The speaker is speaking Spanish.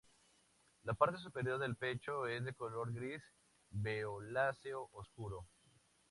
La parte superior del pecho es de color gris violáceo oscuro.